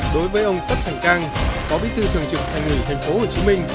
đối với ông phất thành cang có bí thư thường trực thành ủy thành phố hồ chí minh